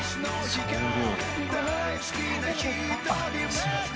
すみません